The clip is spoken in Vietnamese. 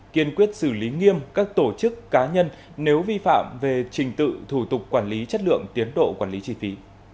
kiên quyết xử lý nghiêm các tổ chức cá nhân nếu vi phạm về trình tự thủ tục quản lý chất lượng tiến độ quản lý chi phí